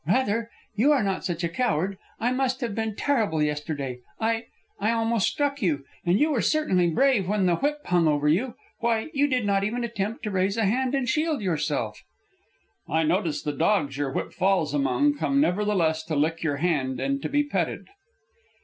"Rather, you are not such a coward. I must have been terrible yesterday. I I almost struck you. And you were certainly brave when the whip hung over you. Why, you did not even attempt to raise a hand and shield yourself." "I notice the dogs your whip falls among come nevertheless to lick your hand and to be petted."